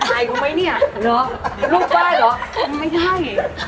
ถ่ายรู้มั้ยเนี่ยลูกป้าเหรอไม่ได้